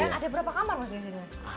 ada berapa kamar masuk sini mas